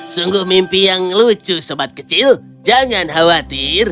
sungguh mimpi yang lucu sobat kecil jangan khawatir